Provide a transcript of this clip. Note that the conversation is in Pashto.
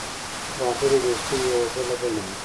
• واده د دوستۍ یوه بله بڼه ده.